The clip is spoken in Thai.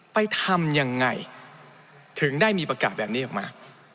ทำยังไงถึงได้มีประกาศแบบนี้ออกมา